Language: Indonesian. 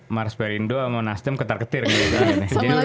mars perindo sama nasdem ketar ketir gitu kan